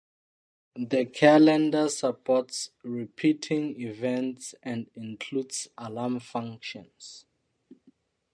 The calendar supports repeating events and includes alarm functions.